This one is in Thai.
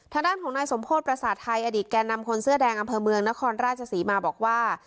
ทางด้านของนายสมโพธิประสาทไทยอดีตแก่นำคนเสื้อแดงอำเภอเมืองนครราชศรีมาบอกว่า